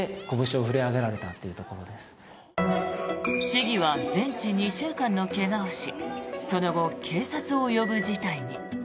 市議は全治２週間の怪我をしその後、警察を呼ぶ事態に。